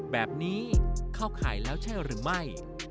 แบบนี้เข้าข่ายแล้วใช่หรือไม่